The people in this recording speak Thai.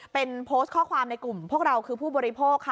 เป็นโพสต์ข้อความในกลุ่มพวกเราคือผู้บริโภคค่ะ